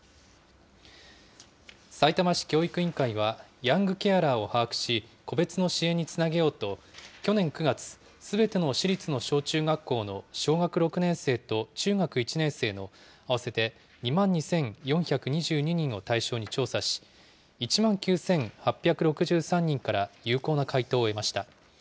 さいたま市教育委員会は、ヤングケアラーを把握し、個別の支援につなげようと、去年９月、すべての市立の小中学校の小学６年生と中学１年生の合わせて２万２４２２人を対象に調査し、１万９８６３人から有効な回答を得ました。